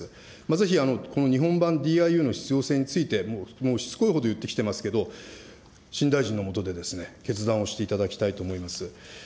ぜひこの日本版ＤＩＵの必要性について、もうしつこいほど言ってきていますけれども、新大臣の下で、決断をしていただきたいと思います。